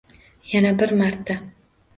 Yana bir marta!